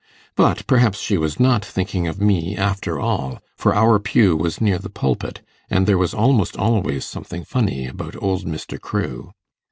But perhaps she was not thinking of me, after all; for our pew was near the pulpit, and there was almost always something funny about old Mr. Crewe.